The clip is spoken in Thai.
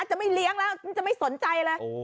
จะไม่เลี้ยงแล้วจะไม่สนใจเลย